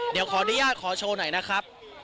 เดี๋ยวขออนุญาตขอโชว์หน่อยนะครับ